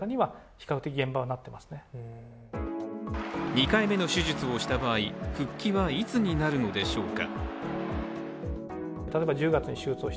２回目の手術をした場合復帰はいつになるのでしょうか。